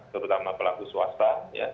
terutama pelaku swasta